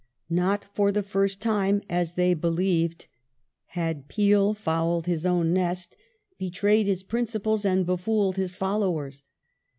Not for the first time, as they believed, had Peel fouled his own nest, betrayed his principles, and befooled his followers.